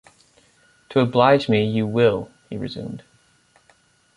‘To oblige me, you will,’ he resumed.